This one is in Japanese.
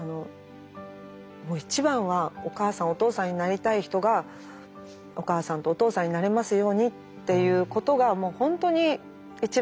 もう一番はお母さんお父さんになりたい人がお母さんとお父さんになれますようにっていうことがもう本当に一番なんです。